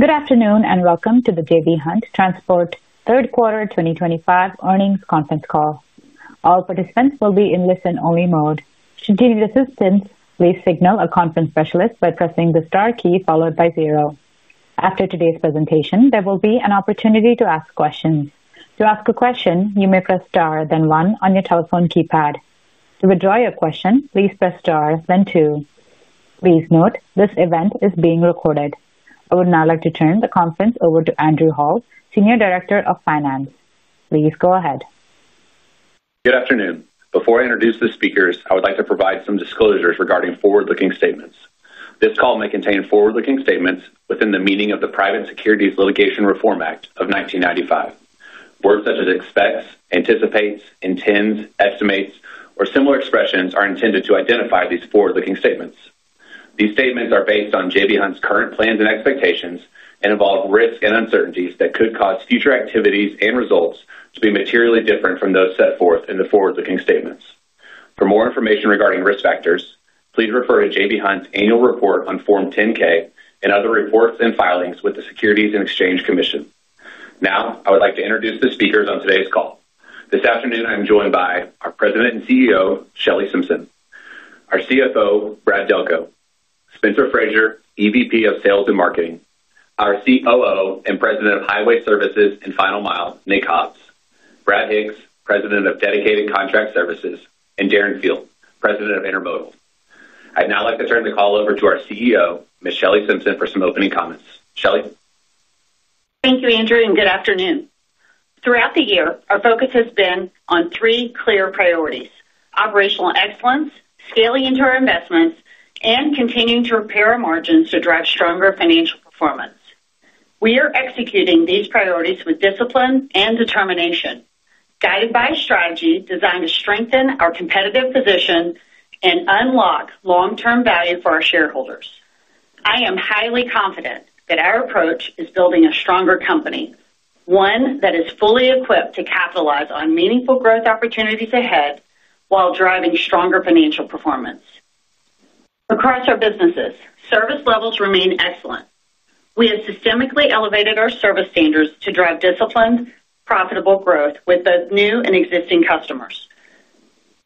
Good afternoon and welcome to the J.B. Hunt Transport Services third quarter 2025 earnings conference call. All participants will be in listen-only mode. Should you need assistance, please signal a conference specialist by pressing the star key followed by zero. After today's presentation, there will be an opportunity to ask questions. To ask a question, you may press star, then one on your telephone keypad. To withdraw your question, please press star, then two. Please note this event is being recorded. I would now like to turn the conference over to Andrew Hall, Senior Director of Finance. Please go ahead. Good afternoon. Before I introduce the speakers, I would like to provide some disclosures regarding forward-looking statements. This call may contain forward-looking statements within the meaning of the Private Securities Litigation Reform Act of 1995. Words such as expects, anticipates, intends, estimates, or similar expressions are intended to identify these forward-looking statements. These statements are based on J.B. Hunt current plans and expectations and involve risks and uncertainties that could cause future activities and results to be materially different from those set forth in the forward-looking statements. For more information regarding risk factors, please refer to J.B. Hunt annual report on Form 10-K and other reports and filings with the Securities and Exchange Commission. Now, I would like to introduce the speakers on today's call. This afternoon, I'm joined by our President and CEO, Shelley Simpson, our CFO, Brad Delco, Spencer Frazier, EVP of Sales and Marketing, our COO and President of Highway Services and Final Mile, Nick Hobbs, Brad Hicks, President of Dedicated Contract Services, and Darren Field, President of Intermodal. I'd now like to turn the call over to our CEO, Shelley Simpson, for some opening comments. Thank you, Andrew, and good afternoon. Throughout the year, our focus has been on three clear priorities: operational excellence, scaling into our investments, and continuing to repair our margins to drive stronger financial performance. We are executing these priorities with discipline and determination, guided by a strategy designed to strengthen our competitive position and unlock long-term value for our shareholders. I am highly confident that our approach is building a stronger company, one that is fully equipped to capitalize on meaningful growth opportunities ahead while driving stronger financial performance. Across our businesses, service levels remain excellent. We have systemically elevated our service standards to drive disciplined, profitable growth with both new and existing customers.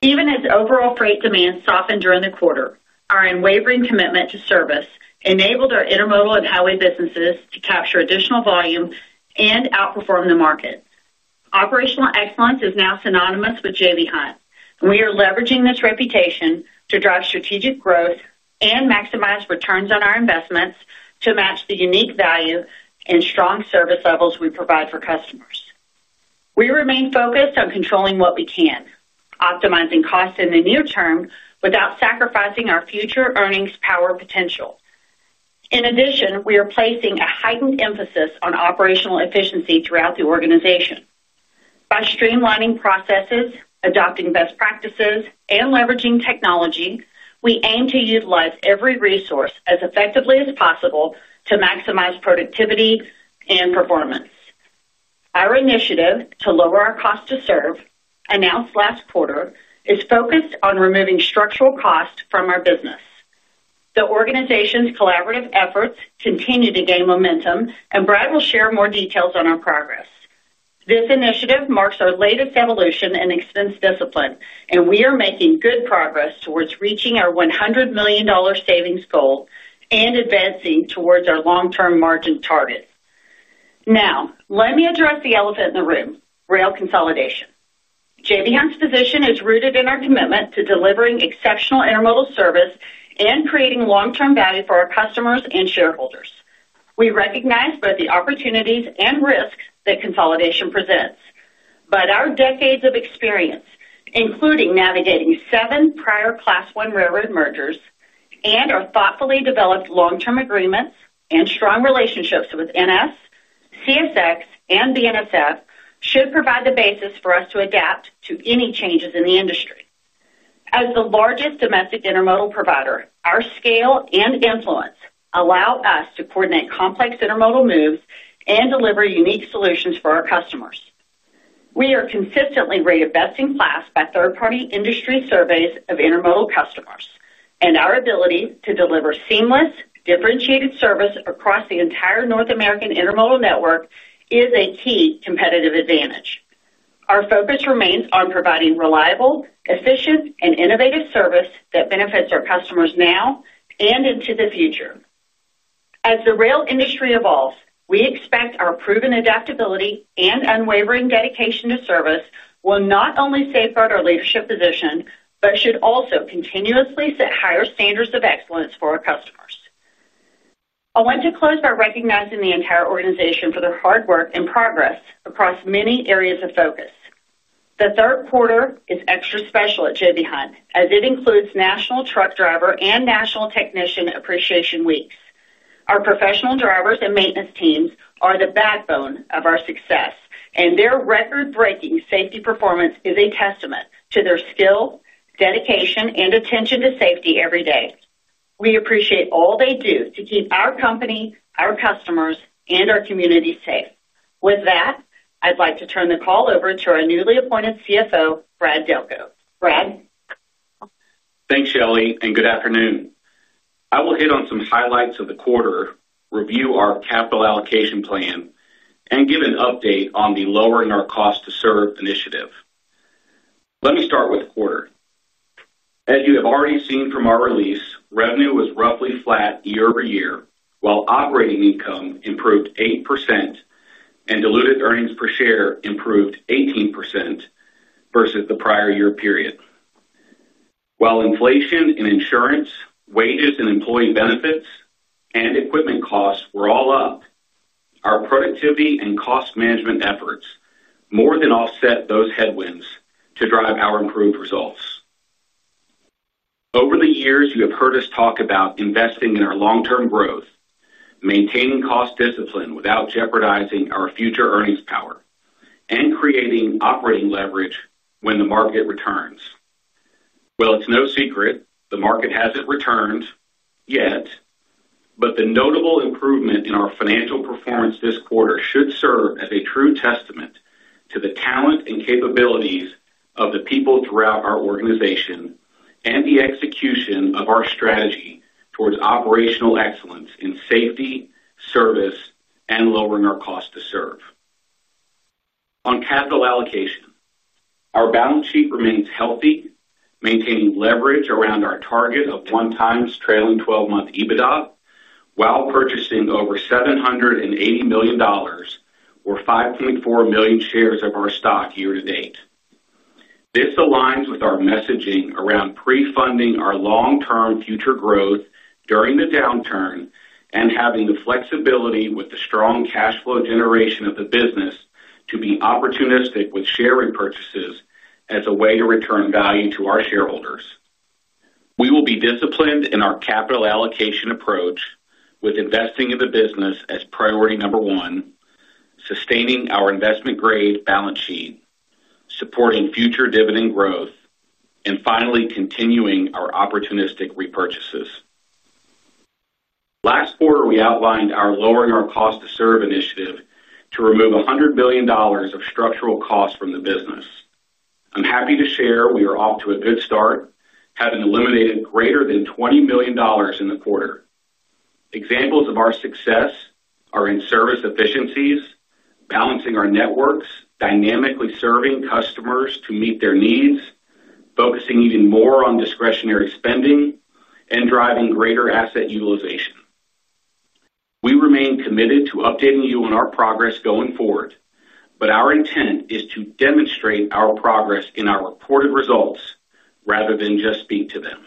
Even as overall freight demand softened during the quarter, our unwavering commitment to service enabled our intermodal and highway businesses to capture additional volume and outperform the market. Operational excellence is now synonymous with J.B. Hunt, and we are leveraging this reputation to drive strategic growth and maximize returns on our investments to match the unique value and strong service levels we provide for customers. We remain focused on controlling what we can, optimizing costs in the near term without sacrificing our future earnings' power potential. In addition, we are placing a heightened emphasis on operational efficiency throughout the organization. By streamlining processes, adopting best practices, and leveraging technology, we aim to utilize every resource as effectively as possible to maximize productivity and performance. Our initiative to lower our cost to serve, announced last quarter, is focused on removing structural costs from our business. The organization's collaborative efforts continue to gain momentum, and Brad will share more details on our progress. This initiative marks our latest evolution in expense discipline, and we are making good progress towards reaching our $100 million savings goal and advancing towards our long-term margin target. Now, let me address the elephant in the room: rail consolidation. J.B. Hunt's position is rooted in our commitment to delivering exceptional intermodal service and creating long-term value for our customers and shareholders. We recognize both the opportunities and risks that consolidation presents, but our decades of experience, including navigating seven prior Class 1 railroad mergers and our thoughtfully developed long-term agreements and strong relationships with NS, CSX, and BNSF, should provide the basis for us to adapt to any changes in the industry. As the largest domestic intermodal provider, our scale and influence allow us to coordinate complex intermodal moves and deliver unique solutions for our customers. We are consistently rated best in class by third-party industry surveys of intermodal customers, and our ability to deliver seamless, differentiated service across the entire North American intermodal network is a key competitive advantage. Our focus remains on providing reliable, efficient, and innovative service that benefits our customers now and into the future. As the rail industry evolves, we expect our proven adaptability and unwavering dedication to service will not only safeguard our leadership position but should also continuously set higher standards of excellence for our customers. I want to close by recognizing the entire organization for their hard work and progress across many areas of focus. The third quarter is extra special at J.B. Hunt as it includes National Truck Driver and National Technician Appreciation Weeks. Our professional drivers and maintenance teams are the backbone of our success, and their record-breaking safety performance is a testament to their skill, dedication, and attention to safety every day. We appreciate all they do to keep our company, our customers, and our community safe. With that, I'd like to turn the call over to our newly appointed CFO, Brad Delco. Brad. Thanks, Shelley, and good afternoon. I will hit on some highlights of the quarter, review our capital allocation plan, and give an update on the lowering our cost to serve initiative. Let me start with the quarter. As you have already seen from our release, revenue was roughly flat year-over-year, while operating income improved 8% and diluted earnings per share improved 18% vs the prior year period. While inflation in insurance, wages and employee benefits, and equipment costs were all up, our productivity and cost management efforts more than offset those headwinds to drive our improved results. Over the years, you have heard us talk about investing in our long-term growth, maintaining cost discipline without jeopardizing our future earnings power, and creating operating leverage when the market returns. It is no secret the market hasn't returned yet, but the notable improvement in our financial performance this quarter should serve as a true testament to the talent and capabilities of the people throughout our organization and the execution of our strategy towards operational excellence in safety, service, and lowering our cost to serve. On capital allocation, our balance sheet remains healthy, maintaining leverage around our target of one-time trailing 12-month EBITDA while purchasing over $780 million, or 5.4 million shares of our stock year to date. This aligns with our messaging around pre-funding our long-term future growth during the downturn and having the flexibility with the strong cash flow generation of the business to be opportunistic with share repurchases as a way to return value to our shareholders. We will be disciplined in our capital allocation approach with investing in the business as priority number one, sustaining our investment-grade balance sheet, supporting future dividend growth, and finally continuing our opportunistic repurchases. Last quarter, we outlined our lowering our cost to serve initiative to remove $100 million of structural costs from the business. I'm happy to share we are off to a good start, having eliminated greater than $20 million in the quarter. Examples of our success are in service efficiencies, balancing our networks, dynamically serving customers to meet their needs, focusing even more on discretionary spending, and driving greater asset utilization. We remain committed to updating you on our progress going forward, but our intent is to demonstrate our progress in our reported results rather than just speak to them.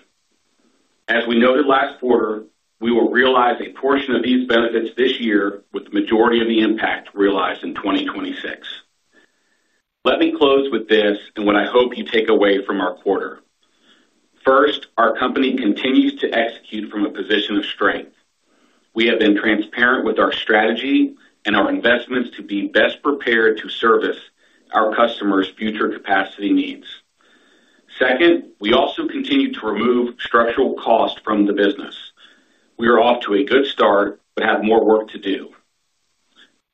As we noted last quarter, we will realize a portion of these benefits this year with the majority of the impact realized in 2026. Let me close with this and what I hope you take away from our quarter. First, our company continues to execute from a position of strength. We have been transparent with our strategy and our investments to be best prepared to service our customers' future capacity needs. Second, we also continue to remove structural costs from the business. We are off to a good start but have more work to do.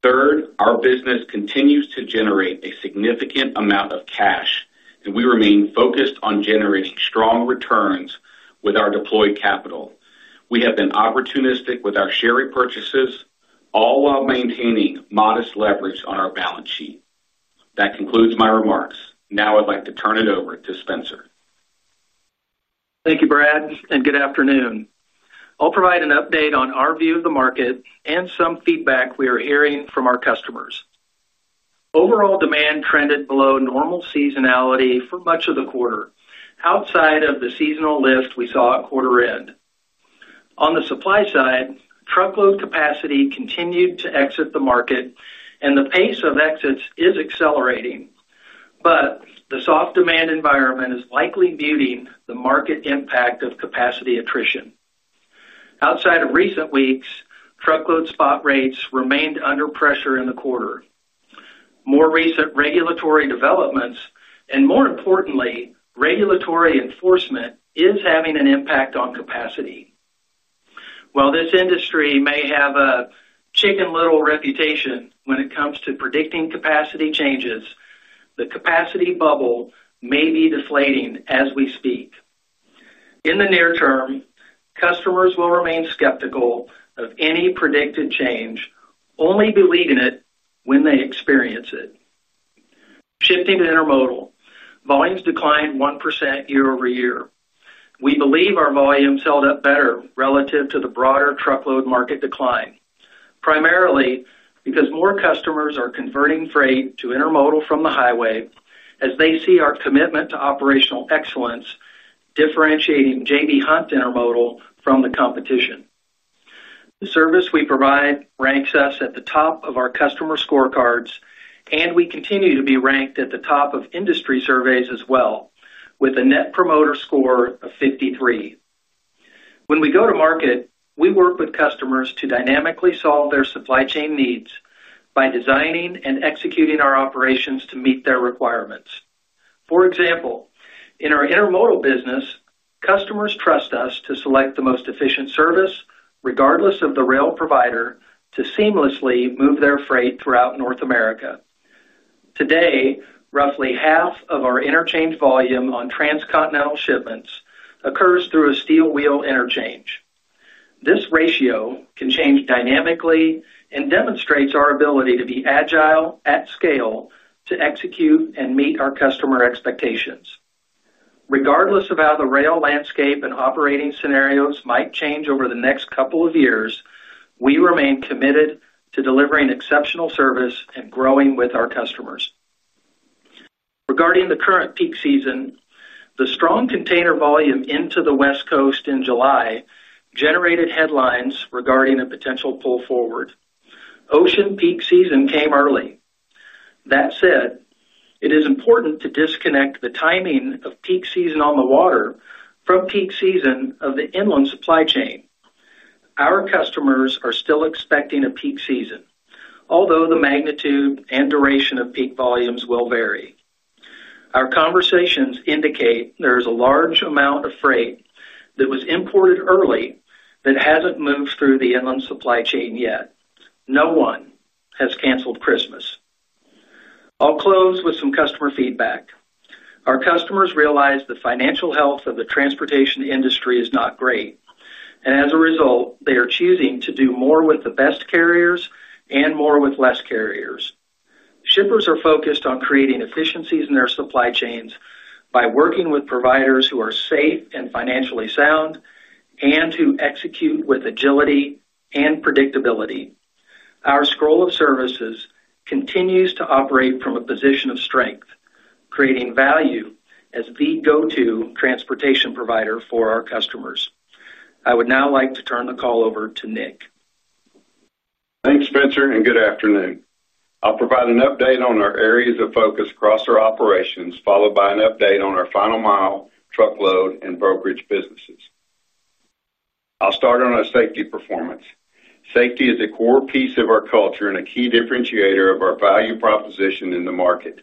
Third, our business continues to generate a significant amount of cash, and we remain focused on generating strong returns with our deployed capital. We have been opportunistic with our share repurchases, all while maintaining modest leverage on our balance sheet. That concludes my remarks. Now I'd like to turn it over to Spencer. Thank you, Brad, and good afternoon. I'll provide an update on our view of the market and some feedback we are hearing from our customers. Overall demand trended below normal seasonality for much of the quarter, outside of the seasonal lift we saw at quarter end. On the supply side, truckload capacity continued to exit the market, and the pace of exits is accelerating, but the soft demand environment is likely muting the market impact of capacity attrition. Outside of recent weeks, truckload spot rates remained under pressure in the quarter. More recent regulatory developments, and more importantly, regulatory enforcement is having an impact on capacity. While this industry may have a chicken-little reputation when it comes to predicting capacity changes, the capacity bubble may be deflating as we speak. In the near term, customers will remain skeptical of any predicted change, only believing it when they experience it. Shifting to intermodal, volumes declined 1% year-over-year. We believe our volumes held up better relative to the broader truckload market decline, primarily because more customers are converting freight to intermodal from the highway as they see our commitment to operational excellence differentiating J.B. Hunt Intermodal from the competition. The service we provide ranks us at the top of our customer scorecards, and we continue to be ranked at the top of industry surveys as well, with a net promoter score of 53. When we go to market, we work with customers to dynamically solve their supply chain needs by designing and executing our operations to meet their requirements. For example, in our intermodal business, customers trust us to select the most efficient service, regardless of the rail provider, to seamlessly move their freight throughout North America. Today, roughly half of our interchange volume on transcontinental shipments occurs through a steel wheel interchange. This ratio can change dynamically and demonstrates our ability to be agile at scale to execute and meet our customer expectations. Regardless of how the rail landscape and operating scenarios might change over the next couple of years, we remain committed to delivering exceptional service and growing with our customers. Regarding the current peak season, the strong container volume into the West Coast in July generated headlines regarding a potential pull forward. Ocean peak season came early. That said, it is important to disconnect the timing of peak season on the water from peak season of the inland supply chain. Our customers are still expecting a peak season, although the magnitude and duration of peak volumes will vary. Our conversations indicate there is a large amount of freight that was imported early that hasn't moved through the inland supply chain yet. No one has canceled Christmas. I'll close with some customer feedback. Our customers realize the financial health of the transportation industry is not great, and as a result, they are choosing to do more with the best carriers and more with less carriers. Shippers are focused on creating efficiencies in their supply chains by working with providers who are safe and financially sound and who execute with agility and predictability. Our scroll of services continues to operate from a position of strength, creating value as the go-to transportation provider for our customers. I would now like to turn the call over to Nick. Thanks, Spencer, and good afternoon. I'll provide an update on our areas of focus across our operations, followed by an update on our final mile, truckload, and brokerage businesses. I'll start on our safety performance. Safety is a core piece of our culture and a key differentiator of our value proposition in the market.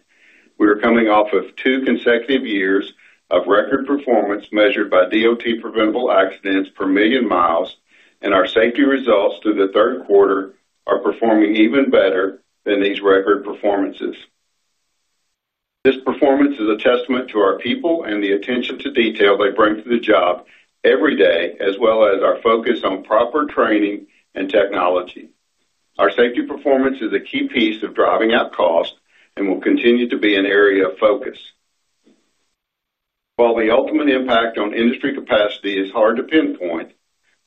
We are coming off of two consecutive years of record performance measured by DOT preventable accidents per million miles, and our safety results through the third quarter are performing even better than these record performances. This performance is a testament to our people and the attention to detail they bring to the job every day, as well as our focus on proper training and technology. Our safety performance is a key piece of driving out cost and will continue to be an area of focus. While the ultimate impact on industry capacity is hard to pinpoint,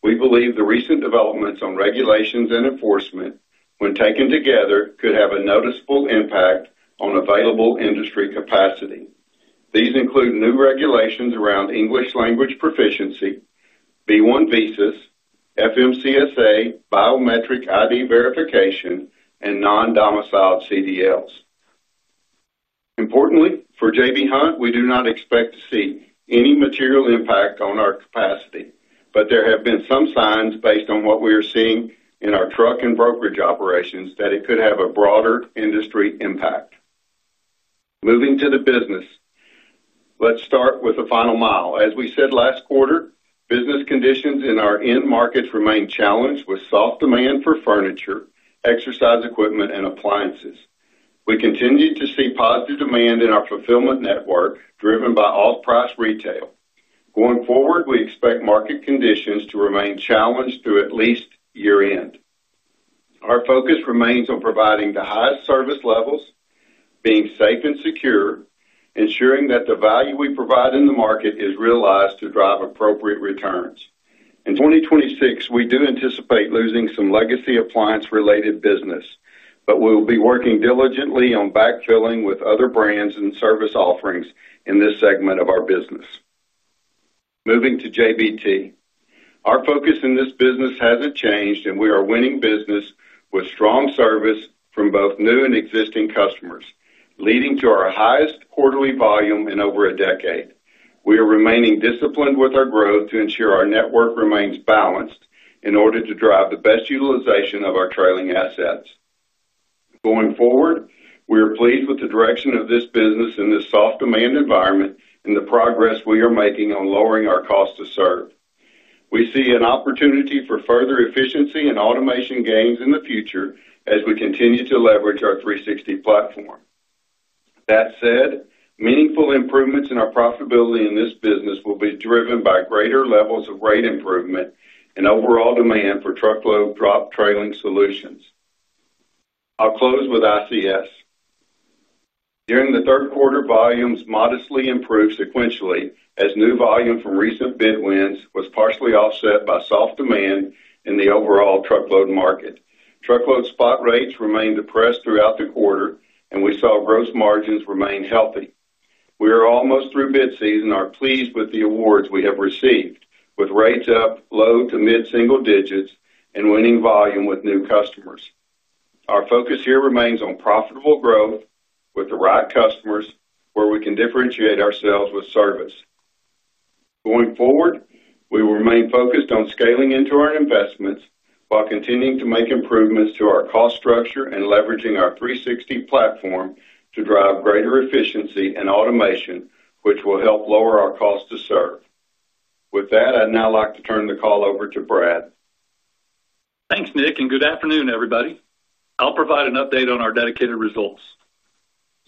we believe the recent developments on regulations and enforcement, when taken together, could have a noticeable impact on available industry capacity. These include new regulations around English language proficiency, B-1 visas, FMCSA, biometric ID verification, and non-domiciled CDLs. Importantly, for J.B. Hunt, we do not expect to see any material impact on our capacity, but there have been some signs based on what we are seeing in our truck and brokerage operations that it could have a broader industry impact. Moving to the business, let's start with the final mile. As we said last quarter, business conditions in our end markets remain challenged with soft demand for furniture, exercise equipment, and appliances. We continue to see positive demand in our fulfillment network driven by off-price retail. Going forward, we expect market conditions to remain challenged through at least year-end. Our focus remains on providing the highest service levels, being safe and secure, ensuring that the value we provide in the market is realized to drive appropriate returns. In 2026, we do anticipate losing some legacy appliance-related business, but we will be working diligently on backfilling with other brands and service offerings in this segment of our business. Moving to JBT, our focus in this business hasn't changed, and we are winning business with strong service from both new and existing customers, leading to our highest quarterly volume in over a decade. We are remaining disciplined with our growth to ensure our network remains balanced in order to drive the best utilization of our trailing assets. Going forward, we are pleased with the direction of this business in this soft demand environment and the progress we are making on lowering our cost to serve. We see an opportunity for further efficiency and automation gains in the future as we continue to leverage our J.B. Hunt 360° platform. That said, meaningful improvements in our profitability in this business will be driven by greater levels of rate improvement and overall demand for truckload drop trailing solutions. I'll close with ICS. During the third quarter, volumes modestly improved sequentially as new volume from recent bid wins was partially offset by soft demand in the overall truckload market. Truckload spot rates remained depressed throughout the quarter, and we saw gross margins remain healthy. We are almost through bid season and are pleased with the awards we have received, with rates up low to mid-single digits and winning volume with new customers. Our focus here remains on profitable growth with the right customers where we can differentiate ourselves with service. Going forward, we will remain focused on scaling into our investments while continuing to make improvements to our cost structure and leveraging our J.B. Hunt 360° platform to drive greater efficiency and automation, which will help lower our cost to serve. With that, I'd now like to turn the call over to Brad. Thanks, Nick, and good afternoon, everybody. I'll provide an update on our dedicated results.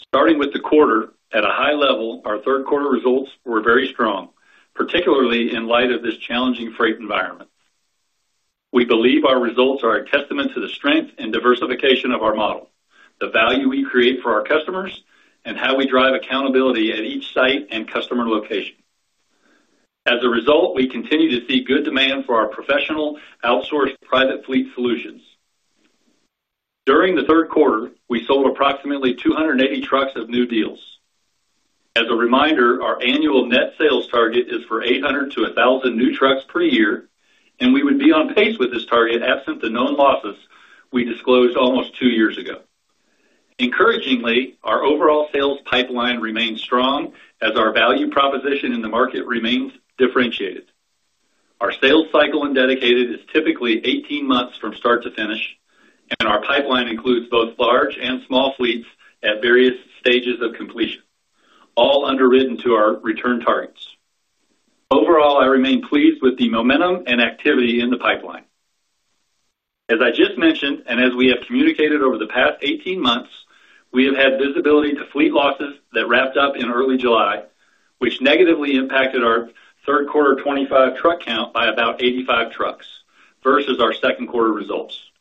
Starting with the quarter, at a high level, our third-quarter results were very strong, particularly in light of this challenging freight environment. We believe our results are a testament to the strength and diversification of our model, the value we create for our customers, and how we drive accountability at each site and customer location. As a result, we continue to see good demand for our professional outsourced private fleet solutions. During the third quarter, we sold approximately 280 trucks of new deals. As a reminder, our annual net sales target is for 800-1,000 new trucks per year, and we would be on pace with this target absent the known losses we disclosed almost two years ago. Encouragingly, our overall sales pipeline remains strong as our value proposition in the market remains differentiated. Our sales cycle in dedicated is typically 18 months from start to finish, and our pipeline includes both large and small fleets at various stages of completion, all underwritten to our return targets. Overall, I remain pleased with the momentum and activity in the pipeline. As I just mentioned, and as we have communicated over the past 18 months, we have had visibility to fleet losses that wrapped up in early July, which negatively impacted our third-quarter 2025 truck count by about 85 trucks vs our second-quarter results.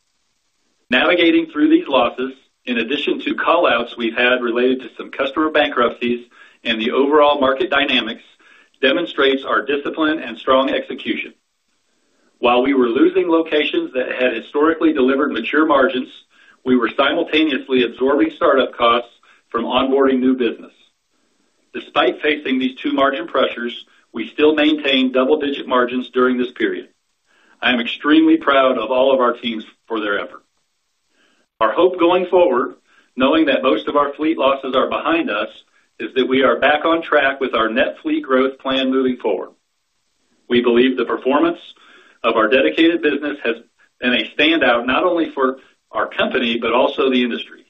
Navigating through these losses, in addition to callouts we've had related to some customer bankruptcies and the overall market dynamics, demonstrates our discipline and strong execution. While we were losing locations that had historically delivered mature margins, we were simultaneously absorbing startup costs from onboarding new business. Despite facing these two margin pressures, we still maintained double-digit margins during this period. I am extremely proud of all of our teams for their effort. Our hope going forward, knowing that most of our fleet losses are behind us, is that we are back on track with our net fleet growth plan moving forward. We believe the performance of our dedicated business has been a standout not only for our company but also the industry.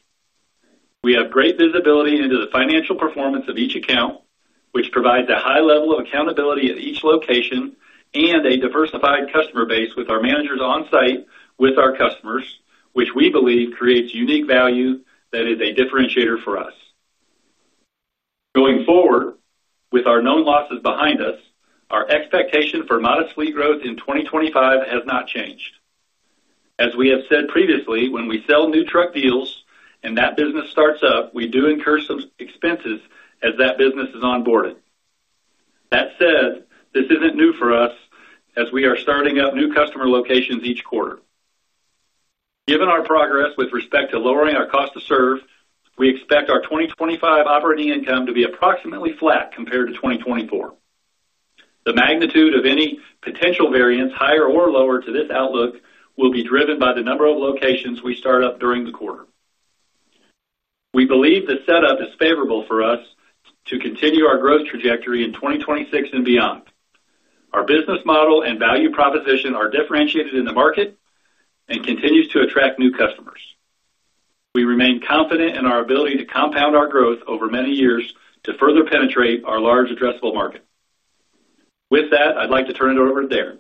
We have great visibility into the financial performance of each account, which provides a high level of accountability at each location and a diversified customer base with our managers on site with our customers, which we believe creates unique value that is a differentiator for us. Going forward, with our known losses behind us, our expectation for modest fleet growth in 2025 has not changed. As we have said previously, when we sell new truck deals and that business starts up, we do incur some expenses as that business is onboarded. That said, this isn't new for us as we are starting up new customer locations each quarter. Given our progress with respect to lowering our cost to serve, we expect our 2025 operating income to be approximately flat compared to 2024. The magnitude of any potential variance, higher or lower, to this outlook will be driven by the number of locations we start up during the quarter. We believe the setup is favorable for us to continue our growth trajectory in 2026 and beyond. Our business model and value proposition are differentiated in the market and continue to attract new customers. We remain confident in our ability to compound our growth over many years to further penetrate our large addressable market. With that, I'd like to turn it over to Darren.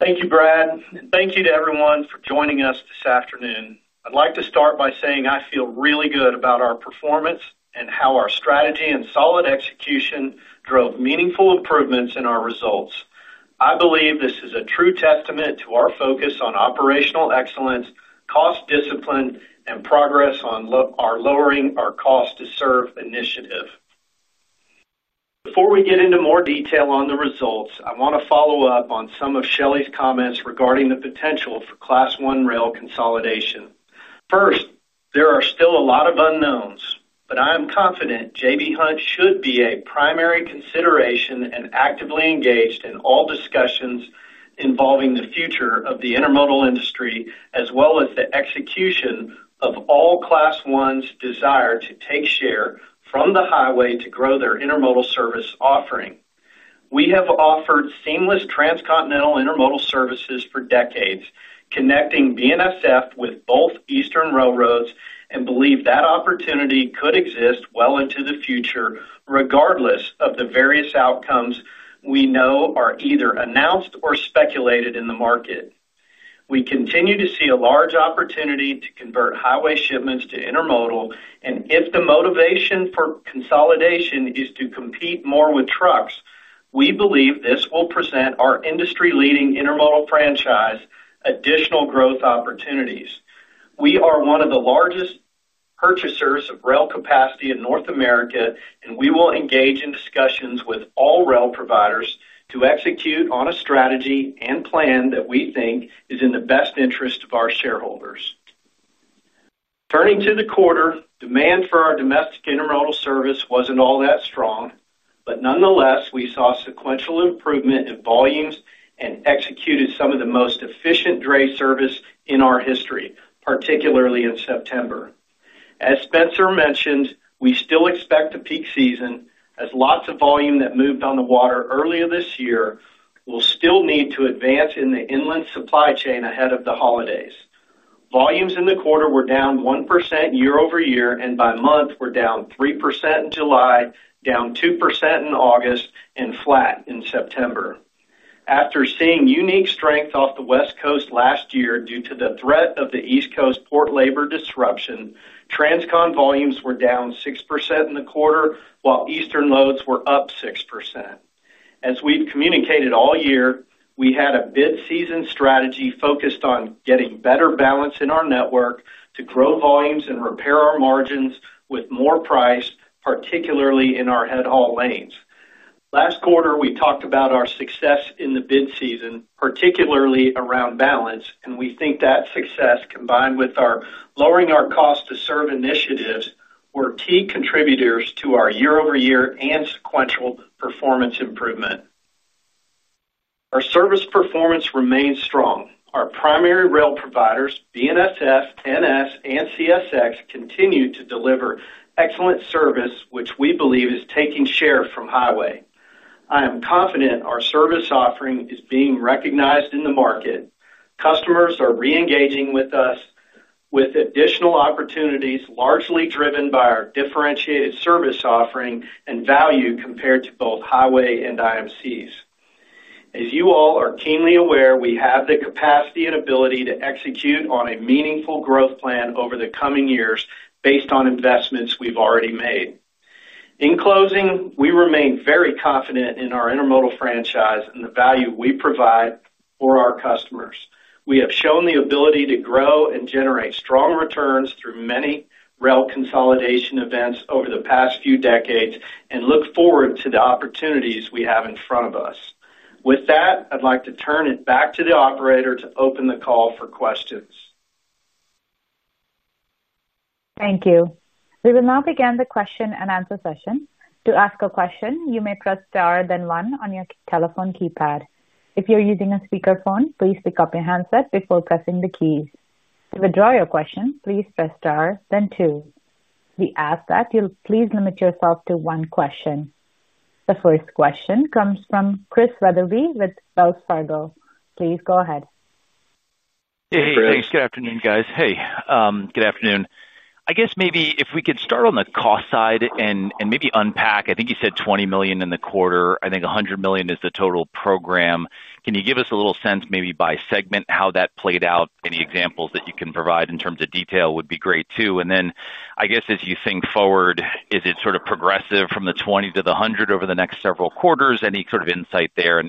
Thank you, Brad, and thank you to everyone for joining us this afternoon. I'd like to start by saying I feel really good about our performance and how our strategy and solid execution drove meaningful improvements in our results. I believe this is a true testament to our focus on operational excellence, cost discipline, and progress on our lowering our cost to serve initiative. Before we get into more detail on the results, I want to follow up on some of Shelley's comments regarding the potential for Class 1 rail consolidation. First, there are still a lot of unknowns, but I am confident J.B. Hunt should be a primary consideration and actively engaged in all discussions involving the future of the intermodal industry, as well as the execution of all Class 1s' desire to take share from the highway to grow their intermodal service offering. We have offered seamless transcontinental intermodal services for decades, connecting BNSF with both Eastern railroads, and believe that opportunity could exist well into the future, regardless of the various outcomes we know are either announced or speculated in the market. We continue to see a large opportunity to convert highway shipments to intermodal, and if the motivation for consolidation is to compete more with trucks, we believe this will present our industry-leading intermodal franchise additional growth opportunities. We are one of the largest purchasers of rail capacity in North America, and we will engage in discussions with all rail providers to execute on a strategy and plan that we think is in the best interest of our shareholders. Turning to the quarter, demand for our domestic intermodal service wasn't all that strong, but nonetheless, we saw sequential improvement in volumes and executed some of the most efficient dray service in our history, particularly in September. As Spencer mentioned, we still expect a peak season as lots of volume that moved on the water earlier this year will still need to advance in the inland supply chain ahead of the holidays. Volumes in the quarter were down 1% year-over-year, and by month, were down 3% in July, down 2% in August, and flat in September. After seeing unique strength off the West Coast last year due to the threat of the East Coast port labor disruption, transcon volumes were down 6% in the quarter, while Eastern loads were up 6%. As we've communicated all year, we had a bid season strategy focused on getting better balance in our network to grow volumes and repair our margins with more price, particularly in our headhaul lanes. Last quarter, we talked about our success in the bid season, particularly around balance, and we think that success combined with our lowering our cost to serve initiatives were key contributors to our year-over-year and sequential performance improvement. Our service performance remains strong. Our primary rail providers, BNSF, NS, and CSX, continue to deliver excellent service, which we believe is taking share from highway. I am confident our service offering is being recognized in the market. Customers are re-engaging with us with additional opportunities, largely driven by our differentiated service offering and value compared to both highway and IMCs. As you all are keenly aware, we have the capacity and ability to execute on a meaningful growth plan over the coming years based on investments we've already made. In closing, we remain very confident in our intermodal franchise and the value we provide for our customers. We have shown the ability to grow and generate strong returns through many rail consolidation events over the past few decades and look forward to the opportunities we have in front of us. With that, I'd like to turn it back to the operator to open the call for questions. Thank you. We will now begin the question and answer session. To ask a question, you may press star then one on your telephone keypad. If you're using a speakerphone, please pick up your handset before pressing the keys. To withdraw your question, please press star then two. We ask that you please limit yourself to one question. The first question comes from Chris Wetherbee with Wells Fargo. Please go ahead. Hey, thanks. Good afternoon, guys. Hey, good afternoon. I guess maybe if we could start on the cost side and maybe unpack, I think you said $20 million in the quarter. I think $100 million is the total program. Can you give us a little sense, maybe by segment, how that played out? Any examples that you can provide in terms of detail would be great too. I guess as you think forward, is it sort of progressive from the $20 million to the $100 million over the next several quarters? Any sort of insight there?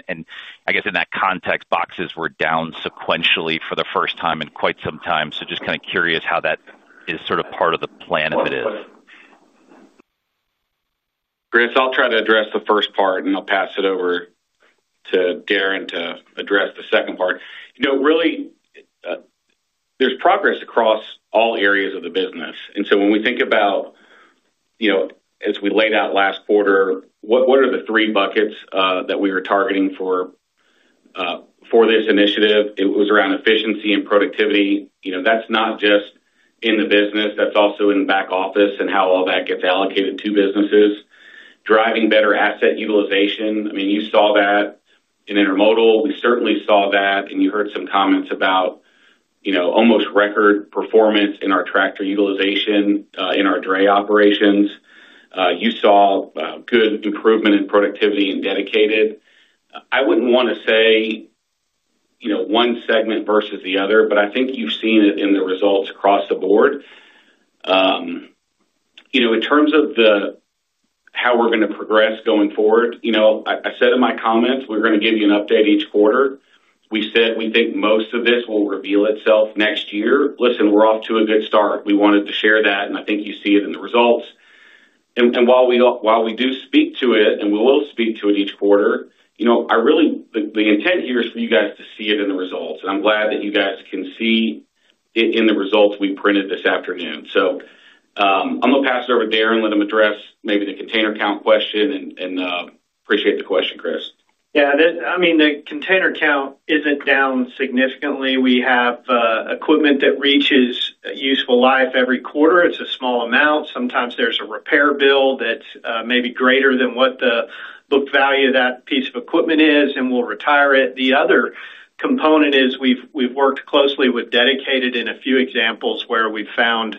I guess in that context, boxes were down sequentially for the first time in quite some time. Just kind of curious how that is sort of part of the plan, if it is. Chris, I'll try to address the first part and I'll pass it over to Darren to address the second part. There's progress across all areas of the business. When we think about, as we laid out last quarter, what are the three buckets that we were targeting for this initiative? It was around efficiency and productivity. That's not just in the business, that's also in back office and how all that gets allocated to businesses. Driving better asset utilization, you saw that in intermodal. We certainly saw that and you heard some comments about almost record performance in our tractor utilization in our dray operations. You saw a good improvement in productivity in dedicated. I wouldn't want to say one segment versus the other, but I think you've seen it in the results across the board. In terms of how we're going to progress going forward, I said in my comments, we're going to give you an update each quarter. We said we think most of this will reveal itself next year. We're off to a good start. We wanted to share that and I think you see it in the results. While we do speak to it and we will speak to it each quarter, the intent here is for you guys to see it in the results. I'm glad that you guys can see it in the results we printed this afternoon. I'm going to pass it over to Darren and let him address maybe the container count question and appreciate the question, Chris. Yeah, I mean, the container count isn't down significantly. We have equipment that reaches useful life every quarter. It's a small amount. Sometimes there's a repair bill that's maybe greater than what the book value of that piece of equipment is, and we'll retire it. The other component is we've worked closely with dedicated in a few examples where we found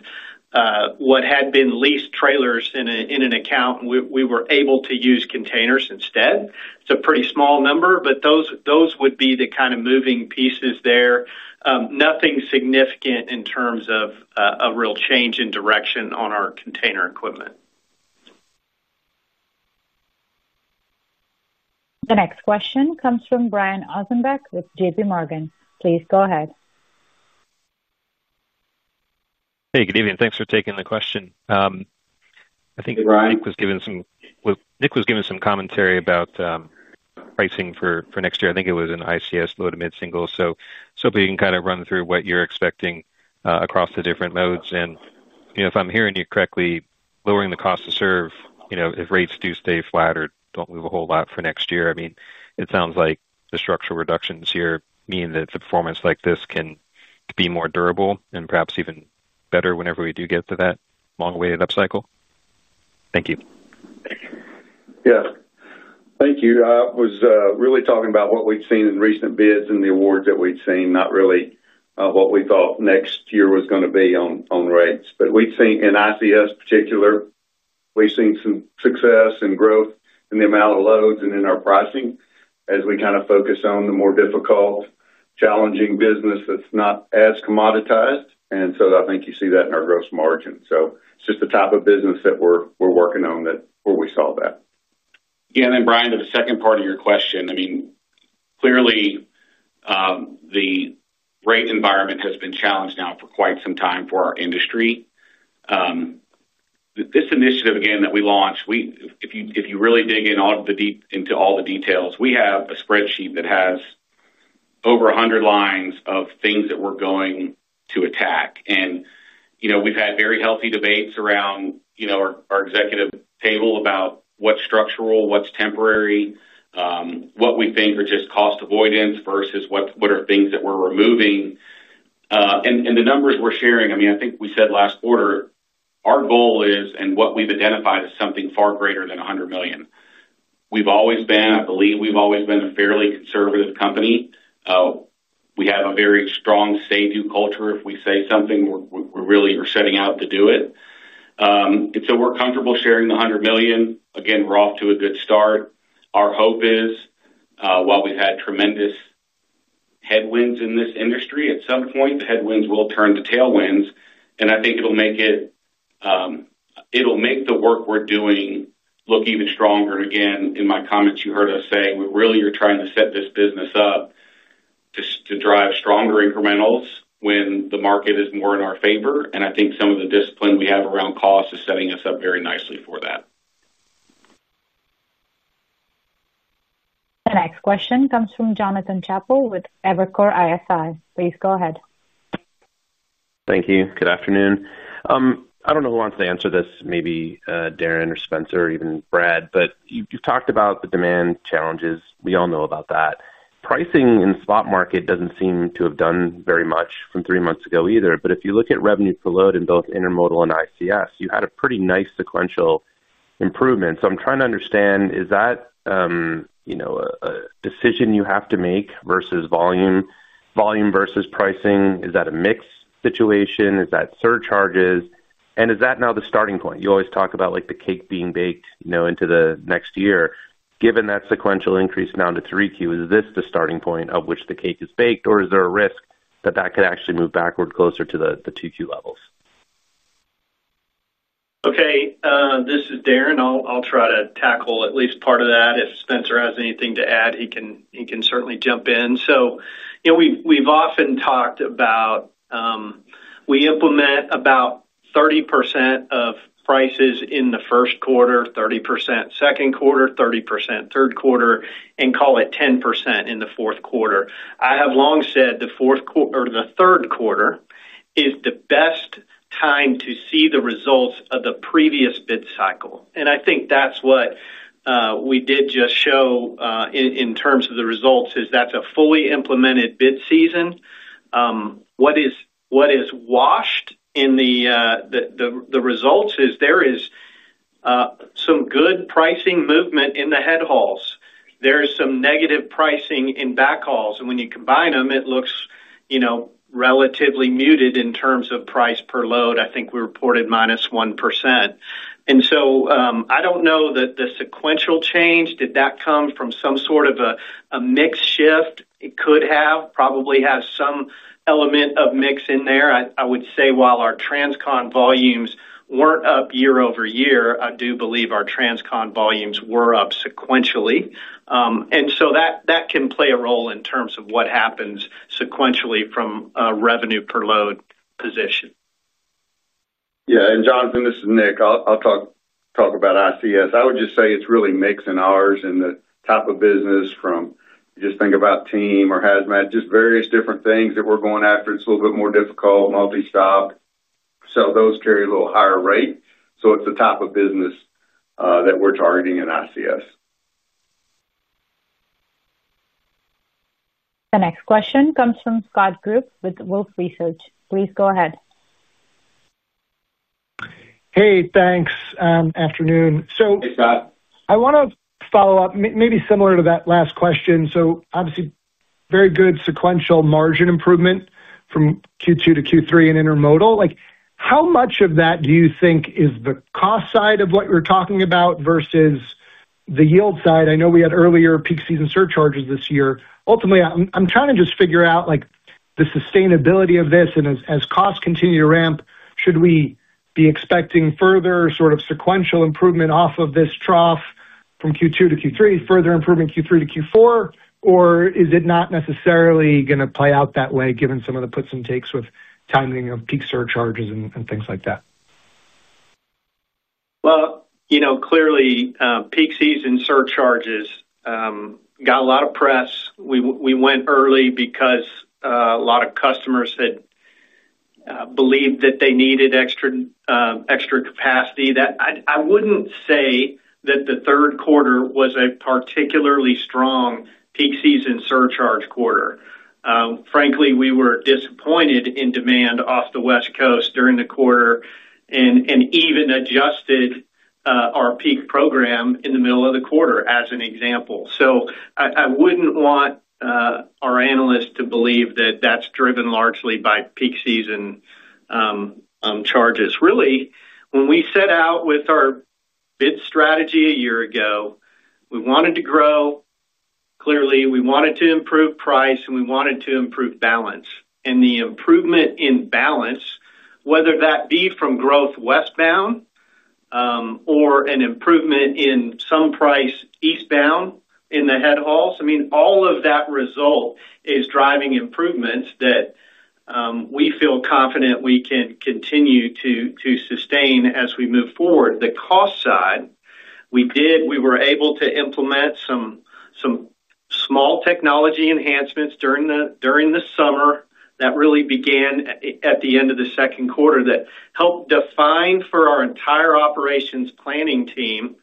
what had been leased trailers in an account, and we were able to use containers instead. It's a pretty small number, but those would be the kind of moving pieces there. Nothing significant in terms of a real change in direction on our container equipment. The next question comes from Brian Ossenbeck with JPMorgan. Please go ahead. Hey, good evening. Thanks for taking the question. HI Brian. I think Nick was giving some commentary about pricing for next year. I think it was an ICS load mid-single. Something you can kind of run through what you're expecting across the different modes. If I'm hearing you correctly, lowering the cost to serve, if rates do stay flat or don't move a whole lot for next year, it sounds like the structural reductions here mean that the performance like this can be more durable and perhaps even better whenever we do get to that long-awaited upcycle. Thank you. Yeah, thank you. I was really talking about what we'd seen in recent bids and the awards that we'd seen, not really what we thought next year was going to be on rates. We'd seen in ICS in particular, we've seen some success and growth in the amount of loads and in our pricing as we kind of focus on the more difficult, challenging business that's not as commoditized. I think you see that in our gross margin. It's just the type of business that we're working on where we saw that. Again, and Brian, to the second part of your question, I mean, clearly the rate environment has been challenged now for quite some time for our industry. This initiative, again, that we launched, if you really dig in all the deep into all the details, we have a spreadsheet that has over 100 lines of things that we're going to attack. We've had very healthy debates around our executive table about what's structural, what's temporary, what we think are just cost avoidance versus what are things that we're removing. The numbers we're sharing, I mean, I think we said last quarter, our goal is and what we've identified is something far greater than $100 million. We've always been, I believe we've always been a fairly conservative company. We have a very strong say-to-culture. If we say something, we really are setting out to do it. We're comfortable sharing the $100 million. Again, we're off to a good start. Our hope is, while we've had tremendous headwinds in this industry, at some point, the headwinds will turn to tailwinds. I think it'll make it, it'll make the work we're doing look even stronger. Again, in my comments, you heard us saying we really are trying to set this business up to drive stronger incrementals when the market is more in our favor. I think some of the discipline we have around cost is setting us up very nicely for that. The next question comes from Jonathan Chappell with Evercore ISI. Please go ahead. Thank you. Good afternoon. I don't know who wants to answer this, maybe Darren or Spencer or even Brad, but you've talked about the demand challenges. We all know about that. Pricing in the spot market doesn't seem to have done very much from three months ago either. If you look at revenue per load in both intermodal and ICS, you had a pretty nice sequential improvement. I'm trying to understand, is that a decision you have to make versus volume versus pricing? Is that a mixed situation? Is that surcharges? Is that now the starting point? You always talk about the cake being baked into the next year. Given that sequential increase now to 3Q, is this the starting point of which the cake is baked? Is there a risk that that could actually move backward closer to the 2Q levels? Okay. This is Darren. I'll try to tackle at least part of that. If Spencer has anything to add, he can certainly jump in. We've often talked about we implement about 30% of prices in the first quarter, 30% second quarter, 30% third quarter, and call it 10% in the fourth quarter. I have long said the fourth quarter or the third quarter is the best time to see the results of the previous bid cycle. I think that's what we did just show in terms of the results is that's a fully implemented bid season. What is washed in the results is there is some good pricing movement in the headhauls. There's some negative pricing in backhauls. When you combine them, it looks, you know, relatively muted in terms of price per load. I think we reported -1%. I don't know that the sequential change, did that come from some sort of a mixed shift? It could have, probably has some element of mix in there. I would say while our transcon volumes weren't up year-over-year, I do believe our transcon volumes were up sequentially. That can play a role in terms of what happens sequentially from a revenue per load position. Yeah, Jonathan, this is Nick. I'll talk about ICS. I would just say it's really mixed in ours and the type of business from you just think about team or has just various different things that we're going after. It's a little bit more difficult, multi-stopped. Those carry a little higher rate. It's the type of business that we're targeting in ICS. The next question comes from Scott Group with Wolfe Research. Please go ahead. Hey, thanks. Afternoon. I want to follow up maybe similar to that last question. Obviously, very good sequential margin improvement from Q2-Q3 in intermodal. How much of that do you think is the cost side of what we're talking about versus the yield side? I know we had earlier peak season surcharges this year. Ultimately, I'm trying to just figure out the sustainability of this. As costs continue to ramp, should we be expecting further sort of sequential improvement off of this trough from Q2-Q3, further improvement Q3-Q4, or is it not necessarily going to play out that way given some of the puts and takes with timing of peak surcharges and things like that? Clearly, peak season surcharges got a lot of press. We went early because a lot of customers had believed that they needed extra capacity. I wouldn't say that the third quarter was a particularly strong peak season surcharge quarter. Frankly, we were disappointed in demand off the West Coast during the quarter and even adjusted our peak program in the middle of the quarter as an example. I wouldn't want our analysts to believe that that's driven largely by peak season charges. Really, when we set out with our bid strategy a year ago, we wanted to grow. Clearly, we wanted to improve price and we wanted to improve balance. The improvement in balance, whether that be from growth westbound or an improvement in some price eastbound in the headhauls, all of that result is driving improvements that we feel confident we can continue to sustain as we move forward. On the cost side, we were able to implement some small technology enhancements during the summer that really began at the end of the second quarter that helped define for our entire operations planning team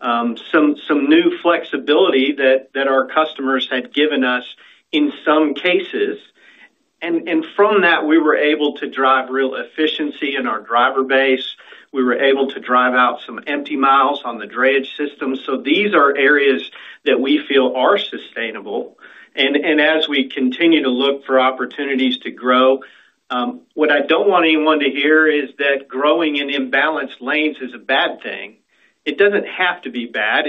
some new flexibility that our customers had given us in some cases. From that, we were able to drive real efficiency in our driver base. We were able to drive out some empty miles on the drayage system. These are areas that we feel are sustainable. As we continue to look for opportunities to grow, what I don't want anyone to hear is that growing in imbalanced lanes is a bad thing. It doesn't have to be bad.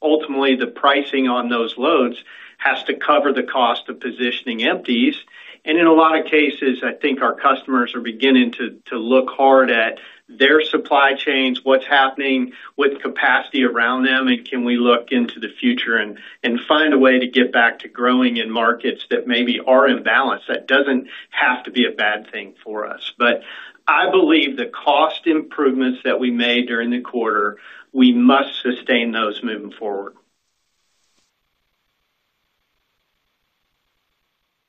Ultimately, the pricing on those loads has to cover the cost of positioning empties. In a lot of cases, I think our customers are beginning to look hard at their supply chains, what's happening with capacity around them, and can we look into the future and find a way to get back to growing in markets that maybe are in balance. That doesn't have to be a bad thing for us. I believe the cost improvements that we made during the quarter, we must sustain those moving forward.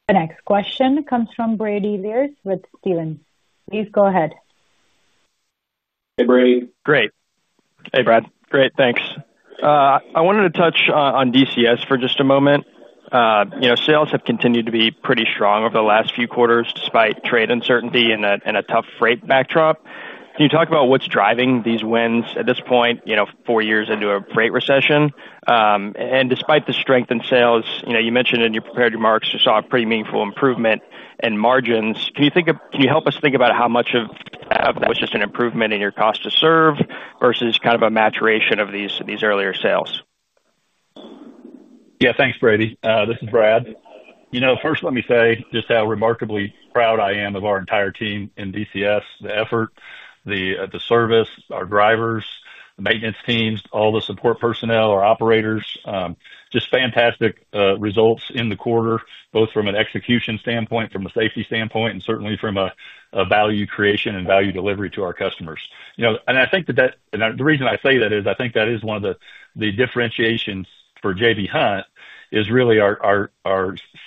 The next question comes from Brady Lierz with Stephens. Please go ahead. Hey, Brady. Great. Hey, Brad. Great, thanks. I wanted to touch on dedicated contract services for just a moment. You know, sales have continued to be pretty strong over the last few quarters despite trade uncertainty and a tough freight backdrop. Can you talk about what's driving these wins at this point, you know, four years into a freight recession? Despite the strength in sales, you mentioned in your prepared remarks you saw a pretty meaningful improvement in margins. Can you help us think about how much of that was just an improvement in your cost to serve versus kind of a maturation of these earlier sales? Yeah, thanks, Brady. This is Brad. First, let me say just how remarkably proud I am of our entire team in Dedicated Contract Services, the effort, the service, our drivers, the maintenance teams, all the support personnel, our operators, just fantastic results in the quarter, both from an execution standpoint, from a safety standpoint, and certainly from a value creation and value delivery to our customers. I think that, and the reason I say that is I think that is one of the differentiations for J.B. Hunt is really our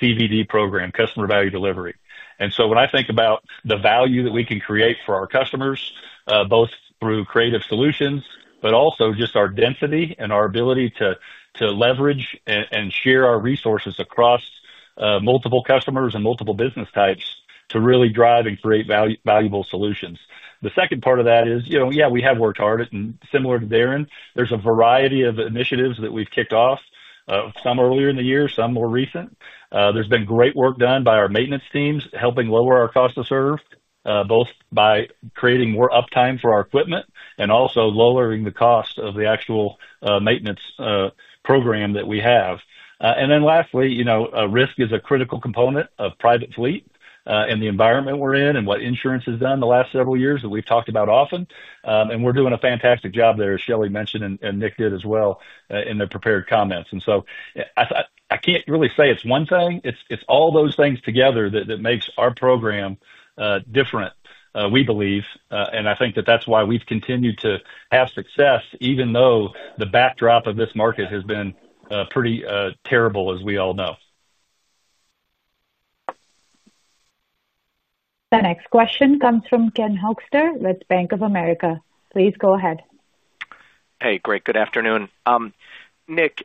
CVD program, customer value delivery. When I think about the value that we can create for our customers, both through creative solutions, but also just our density and our ability to leverage and share our resources across multiple customers and multiple business types to really drive and create valuable solutions. The second part of that is, yeah, we have worked hard at, and similar to Darren, there's a variety of initiatives that we've kicked off, some earlier in the year, some more recent. There's been great work done by our maintenance teams helping lower our cost to serve, both by creating more uptime for our equipment and also lowering the cost of the actual maintenance program that we have. Lastly, risk is a critical component of private fleet and the environment we're in and what insurance has done the last several years that we've talked about often. We're doing a fantastic job there, as Shelley mentioned and Nick did as well in their prepared comments. I can't really say it's one thing. It's all those things together that makes our program different, we believe. I think that that's why we've continued to have success, even though the backdrop of this market has been pretty terrible, as we all know. The next question comes from Ken Hoexter with Bank of America. Please go ahead. Hey, great. Good afternoon. Nick,